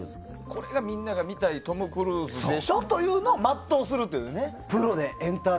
これがみんなが見たいトム・クルーズでしょというのを全うするっていうね。